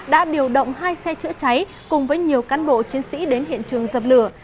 đã điều động hai xe chữa cháy cùng với nhiều cán bộ chiến sĩ đến hiện trường dập lửa